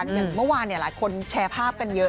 อย่างเมื่อวานหลายคนแชร์ภาพกันเยอะ